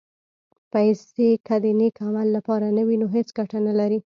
پېسې که د نېک عمل لپاره نه وي، نو هېڅ ګټه نه لري.